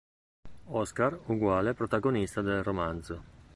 Oscar= protagonista del romanzo.